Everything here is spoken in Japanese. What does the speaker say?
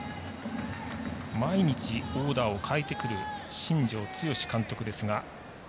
毎日オーダーを変えてくる新庄剛志監督ですが。